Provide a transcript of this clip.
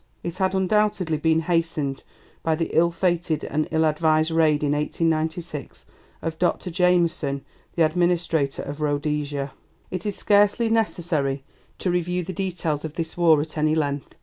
It had undoubtedly been hastened by the ill fated and ill advised raid in 1896 of Dr Jameson, the administrator of Rhodesia. It is scarcely necessary to review the details of this war at any length.